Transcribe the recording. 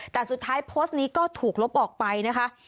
แต่สุดท้ายโพสต์นี้ก็ถูกลบออกไปนะคะ